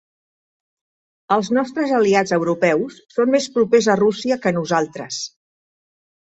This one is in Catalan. Els nostres aliats europeus són més propers a Rússia que nosaltres.